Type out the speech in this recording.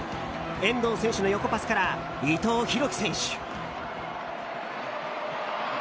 遠藤選手の横パスから伊藤洋輝選手。